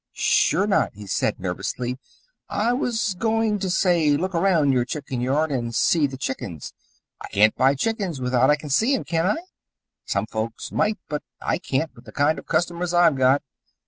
"Sure not," he said nervously. "I was goin' to say look around your chicken yard and see the chickens. I can't buy chickens without I see them, can I? Some folks might, but I can't with the kind of customers I've got.